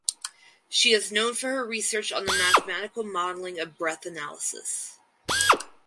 She is known for her research on the mathematical modeling of breath analysis.